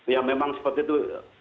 ya memang seperti itu